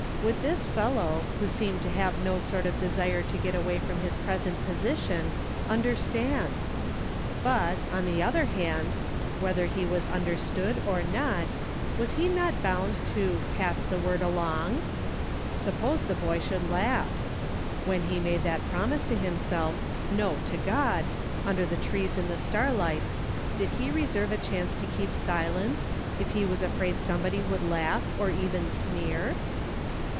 Would this fellow, who seemed to. have no sort of desire to get away from his present position, understand ? But, on the other hand, whether he was under stood or not, was he not bound to "pass the word along ?" Suppose the boy should laugh ? When he made that promise to himself, no, to God, under the trees in the starlight, did he reserve a chance to keep silence, if he was afraid somebody would laugh, or even sneer